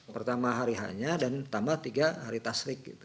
pertama hari hanya dan pertama tiga hari tasrik